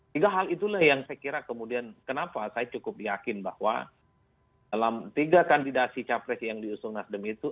tiga hal itulah yang saya kira kemudian kenapa saya cukup yakin bahwa dalam tiga kandidasi capres yang diusung nasdem itu